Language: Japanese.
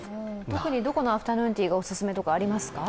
特にどこのアフタヌーンティーがお勧めとかありますか？